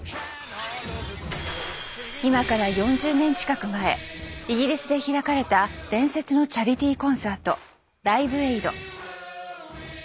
今から４０年近く前イギリスで開かれた伝説のチャリティーコンサート「ライブエイド」。